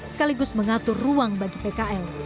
sekaligus mengatur ruang bagi pkl